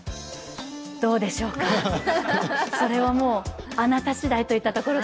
どうでしょうかそれはもうあなたしだいといったところで。